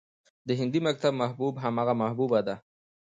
د هندي مکتب محبوب همغه محبوبه ده